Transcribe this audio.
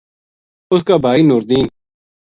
اس کا بھائی نوردین